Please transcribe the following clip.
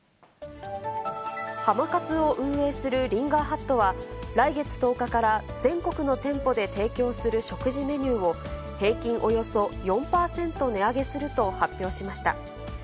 浜かつを運営するリンガーハットは、来月１０日から全国の店舗で提供する食事メニューを、平均およそ４％値上げすると発表しました。